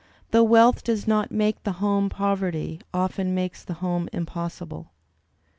Though wealth does not make the home, poverty often makes the home impossible.